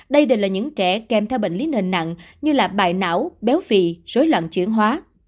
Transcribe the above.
đây đều là những kẻ kèm theo bệnh lý nền nặng như là bài não béo phì rối loạn chuyển hóa